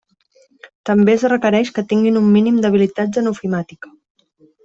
També es requereix que tinguin un mínim d'habilitats en ofimàtica.